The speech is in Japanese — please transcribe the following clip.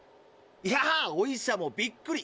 いやお医者もびっくり。